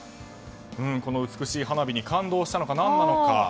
この美しい花火に感動したのか何なのか。